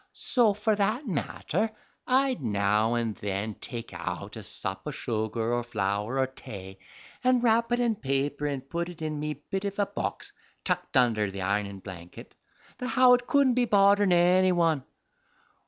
So, for that matter, I'd now and then take out a sup o' sugar, or flour, or tay, an' wrap it in paper and put it in me bit of a box tucked under the ironin' blankit the how it cuddent be bodderin' any one.